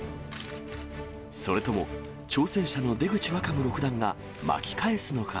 それとも、挑戦者の出口若武六段が巻き返すのか。